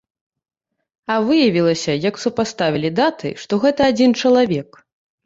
А выявілася, як супаставілі даты, што гэта адзін чалавек!